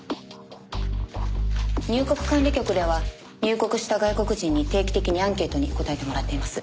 入国管理局では入国した外国人に定期的にアンケートに答えてもらっています。